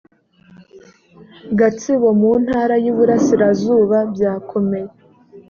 gatsibo mu intara y iburasirazuba byakomeye